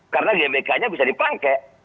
karena gbk nya bisa dipakai